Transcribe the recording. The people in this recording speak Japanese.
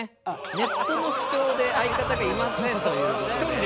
ネットの不調で相方がいませんということで。